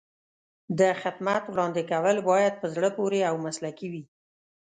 د خدمت وړاندې کول باید په زړه پورې او مسلکي وي.